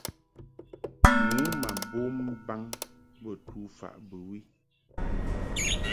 Nu ma bom mbaŋ bə tufaʼ bɨwi.